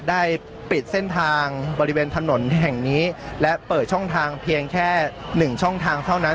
ได้ปิดเส้นทางบริเวณถนนแห่งนี้และเปิดช่องทางเพียงแค่หนึ่งช่องทางเท่านั้น